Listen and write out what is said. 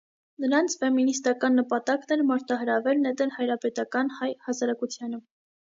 Նրանց ֆեմինիստական նպատակն էր մարտահրավեր նետել հայրապետական հայ հասարակությանը։